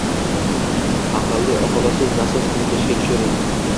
“Aqlli” oqova suv nasos tizimi ishga tushirildi